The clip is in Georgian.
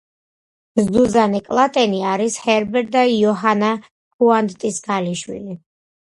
ზუზანე კლატენი არის ჰერბერტ და იოჰანა ქუანდტის ქალიშვილი.